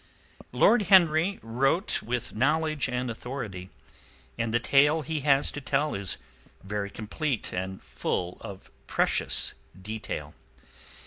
Lord Henry wrote with knowledge and authority, and the tale he has to tell is very complete and full of precious detail.